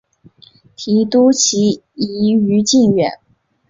提督旗移于靖远。